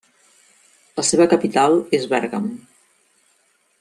La seva capital és Bèrgam.